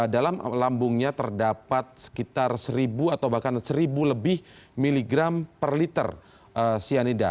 dalam lambungnya terdapat sekitar seribu atau bahkan seribu lebih miligram per liter cyanida